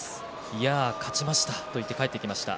いやあ、勝ちましたと言って帰ってきました。